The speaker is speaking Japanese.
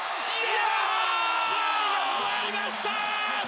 試合が終わりました！